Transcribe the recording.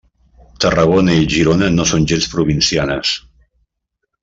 Tarragona i Girona no són gens provincianes.